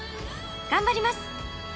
頑張ります！